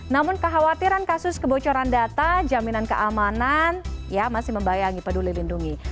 namun kekhawatiran kasus kebocoran data jaminan keamanan ya masih membayangi peduli lindungi